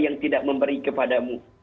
yang tidak memberi kepadamu